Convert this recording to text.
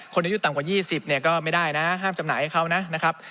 อายุต่ำกว่า๒๐เนี่ยก็ไม่ได้นะห้ามจำหน่ายให้เขานะครับ